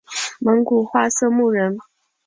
蒙古化色目人。